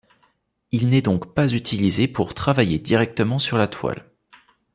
Il n'est donc pas utilisé pour travailler directement sur la toile.